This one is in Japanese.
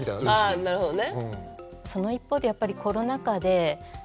あなるほどね。